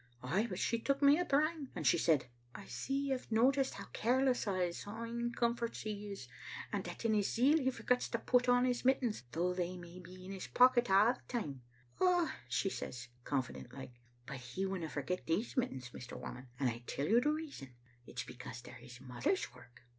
Ay, but she took me up wrang, and she said, ' I see you have noticed how careless o' his ain comforts he is, and that in his zeal he forgets to put on his mittens, though they may be in his pocket a* the time. Ay,' says she, confident like, 'but he winna forget these mittens, Mr. Whamond, and I'll tell you the reason : it's because they're his mother's work.